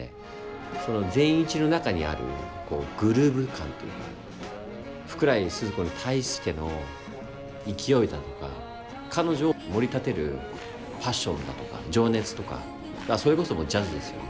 その善一の中にあるグルーヴ感というか福来スズ子に対しての勢いだとか彼女を盛り立てるパッションだとか情熱とかそれこそもうジャズですよね。